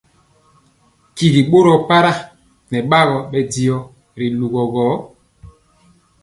Tyigɔ boro para nɛ bagɔ bɛ diɔ ri lugɔ gɔ.